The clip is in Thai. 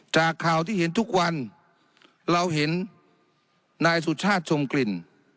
จากข่าวที่เห็นทุกวันเราเห็นนายสุชาติชมกลิ่น